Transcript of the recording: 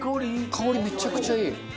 香りめちゃくちゃいい。